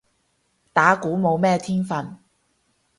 打鼓冇咩天份